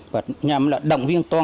và nhằm là đồng viên toàn